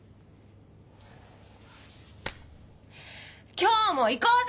今日もいこうぜ！